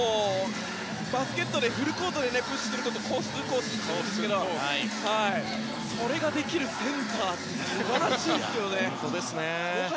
バスケットでフルコートでプッシュするとすごい疲れるんですけどそれができるセンターって素晴らしいですよね。